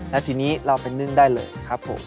แล้วทีนี้เราไปนึ่งได้เลยครับผม